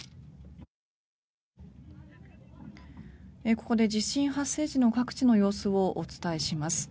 ここで、地震発生時の各地の様子をお伝えします。